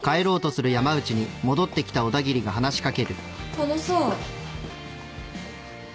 あのさ。